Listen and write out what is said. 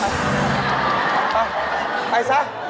ไปไปซะ